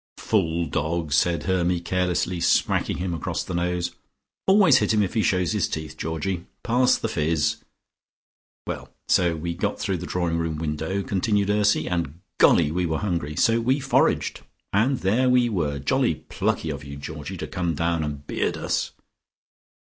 "Fool dog," said Hermy, carelessly smacking him across the nose. "Always hit him if he shows his teeth, Georgie. Pass the fizz." "Well, so we got through the drawing room window," continued Ursy, "and golly, we were hungry. So we foraged, and there we were! Jolly plucky of you, Georgie, to come down and beard us."